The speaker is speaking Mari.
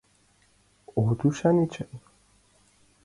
От ӱшане чай.